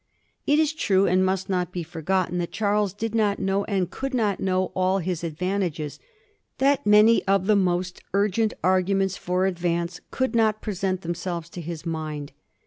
It is true, and must not be forgotten, that Charles did not know, and could not know, all his advantages; that many of the most urgent arguments for advance could not present themselves to his mind.